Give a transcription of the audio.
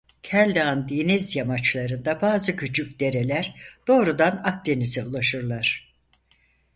Keldağ'ın deniz yamaçlarında bazı küçük dereler doğrudan Akdeniz'e ulaşırlar.